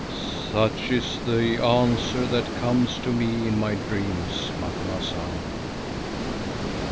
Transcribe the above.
"Such is the answer that comes to me in my dreams, Macumazahn."